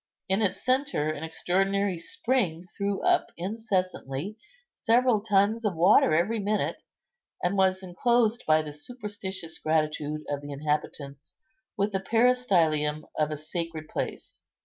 In its centre an extraordinary spring threw up incessantly several tons of water every minute, and was inclosed by the superstitious gratitude of the inhabitants with the peristylium of a sacred place.